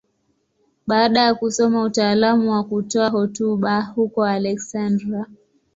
Baada ya kusoma utaalamu wa kutoa hotuba huko Aleksandria.